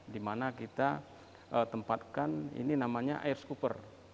di mana kita tempatkan ini namanya air schooper